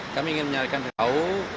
kami ingin menyarikan tahu